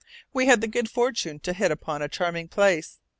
We had the good fortune to hit upon a charming place.